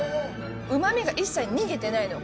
うまみが一切逃げてないの。